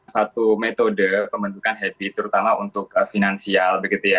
satu metode pembentukan happy terutama untuk finansial begitu ya